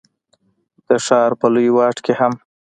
د ښار په لوی واټ کي هم،